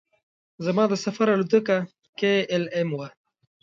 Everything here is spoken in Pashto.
زما د سفر الوتکه کې ایل ایم وه.